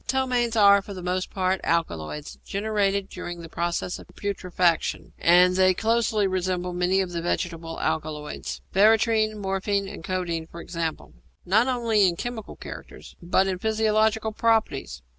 Ptomaines are, for the most part, alkaloids generated during the process of putrefaction, and they closely resemble many of the vegetable alkaloids veratrine, morphine, and codeine, for example not only in chemical characters, but in physiological properties.